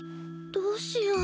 どうしよう。